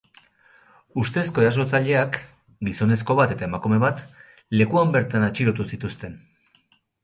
Ustezko erasotzaileak, gizonezko bat eta emakume bat, lekuan bertan atxilotu zituzten.